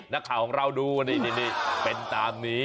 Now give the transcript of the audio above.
นักข่าวของเราดูนี่เป็นตามนี้